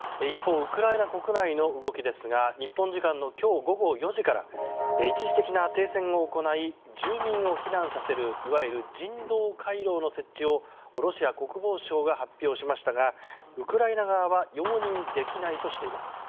一方ウクライナ国内の動きですが日本時間の今日午後４時から一時的な停戦を行い住民を避難させるいわゆる人道回廊の設置をロシア国防省が発表しましたがウクライナ側は容認できないとしています。